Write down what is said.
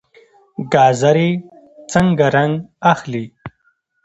ګازرې څنګه رنګ اخلي؟